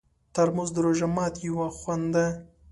ترموز د روژه ماتي یو خوند دی.